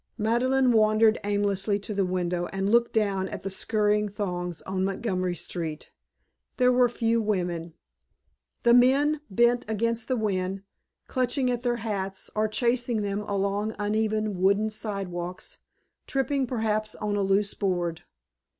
Madeleine wandered aimlessly to the window and looked down at the scurrying throngs on Montgomery Street. There were few women. The men bent against the wind, clutching at their hats, or chasing them along the uneven wooden sidewalks, tripping perhaps on a loose board.